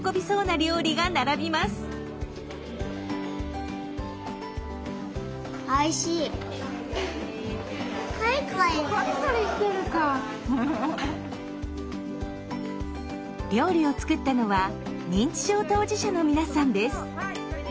料理を作ったのは認知症当事者の皆さんです。